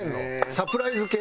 サプライズ系？